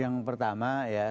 yang pertama ya